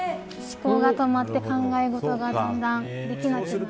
思考が止まって考え事がだんだんできなくなって。